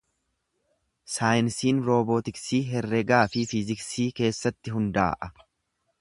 Saayinsiin roobootiksii herrega fi fiiziksii irratti hundaa'a.